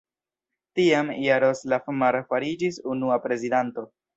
Tiam, Jaroslav Mar fariĝis unua prezidanto.